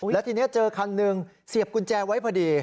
แล้วทีนี้เจอคันหนึ่งเสียบกุญแจไว้พอดี